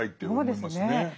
そうですね。